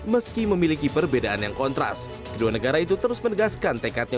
meski memiliki perbedaan yang kontras kedua negara itu terus menegaskan tekadnya